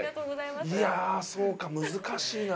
いやそうか難しいな。